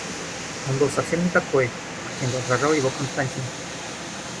Он был совсем не такой, каким воображал его Константин.